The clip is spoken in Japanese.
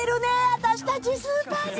私たちスーパーに！